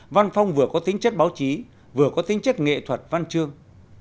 văn phong vừa có tính chất báo chí vừa có tính chất nghệ thuật văn chương